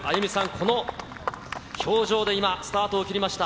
この表情で今、スタートを切りました。